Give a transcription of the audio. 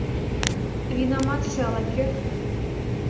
— Винаматше ала-кӧ...